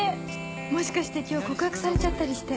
もしかして今日告白されちゃったりして